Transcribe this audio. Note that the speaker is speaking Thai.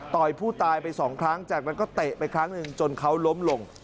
ผู้ตายไปสองครั้งจากนั้นก็เตะไปครั้งหนึ่งจนเขาล้มลง